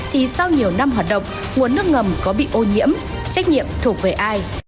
thì sau nhiều năm hoạt động nguồn nước ngầm có bị ô nhiễm trách nhiệm thuộc về ai